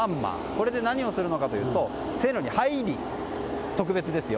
これで何をするのかというと線路に入ります。